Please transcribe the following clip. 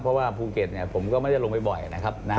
เพราะว่าภูเก็ตผมก็ไม่ได้ลงไปบ่อยนะครับ